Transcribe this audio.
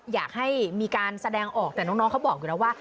อยากให้มีการแสดงออกแต่น้องเขาบอกอยู่แล้วว่า